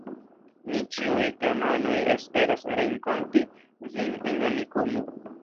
Ni ĉiuj teamanoj esperas renkonti vin en Amikumu.